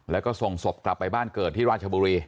แล้วก็ส่งศพกลับไปบ้านเกิดที่ราชบุรี